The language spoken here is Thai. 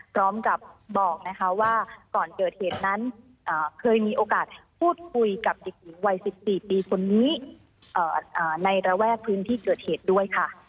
พร้อมกับบอกนะคะว่าก่อนเกิดเหตุนั้นเคยมีโอกาสพูดคุยกับเด็กหญิงวัย๑๔ปีคนนี้ในระแวกพื้นที่เกิดเหตุด้วยค่ะ